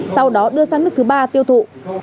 sau đó đưa sang nước thứ ba tiêu thụ